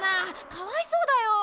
かわいそうだよ。